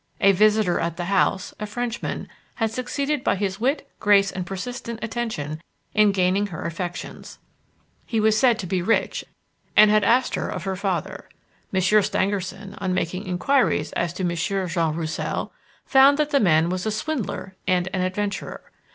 A visitor at the house, a Frenchman, had succeeded by his wit, grace and persistent attention, in gaining her affections. He was said to be rich and had asked her of her father. Monsieur Stangerson, on making inquiries as to Monsieur Jean Roussel, found that the man was a swindler and an adventurer.